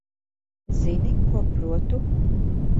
Zini, ko protu?